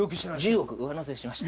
１０億上乗せしました。